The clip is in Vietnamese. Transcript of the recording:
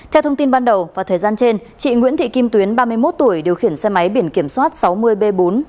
theo thông tin ban đầu và thời gian trên chị nguyễn thị kim tuyến ba mươi một tuổi điều khiển xe máy biển kiểm soát sáu mươi b bốn bốn mươi nghìn hai trăm linh bốn